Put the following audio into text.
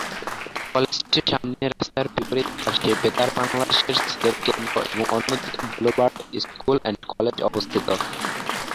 কলেজটির সামনে, রাস্তার বিপরীত পার্শ্বে বেতার বাংলাদেশের সিলেট কেন্দ্র এবং অন্যদিকে ব্লু-বার্ড স্কুল অ্যান্ড কলেজ অবস্থিত।